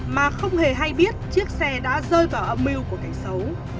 mà không hề hay biết chiếc xe đã rơi vào âm mưu của kẻ xấu